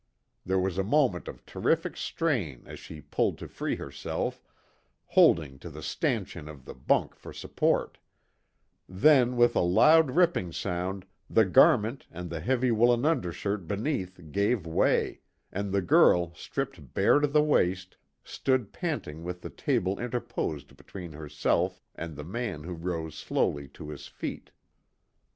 There was a moment of terrific strain as she pulled to free herself, holding to the stanchion of the bunk for support, then with a loud ripping sound the garment, and the heavy woolen undershirt beneath gave way, and the girl, stripped bare to the waist, stood panting with the table interposed between herself and the man who rose slowly to his feet.